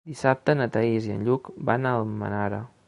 Dissabte na Thaís i en Lluc van a Almenara.